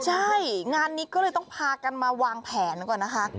ใช่งานนี้ก็เลยต้องพากันมาวางแผนก่อนนะคะ